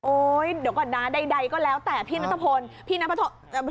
โอ๊ยเดี๋ยวก่อนนะใดก็แล้วแต่พี่นัฐพล